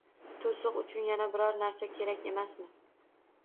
To`siq uchun yana biror narsa kerak emasmi